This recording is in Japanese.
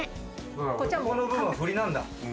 ここの部分は振りなんだ。